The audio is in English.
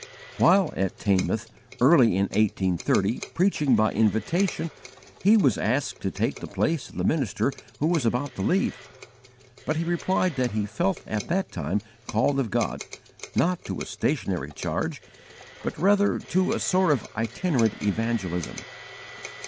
While at Teignmouth, early in 1830, preaching by invitation, he was asked to take the place of the minister who was about to leave, but he replied that he felt at that time called of God, not to a stationary charge, but rather to a sort of itinerant evangelism.